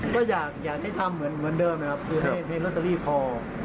ก็อยากให้ทำเหมือนเดิมนะครับคือให้รถทะเลพอร์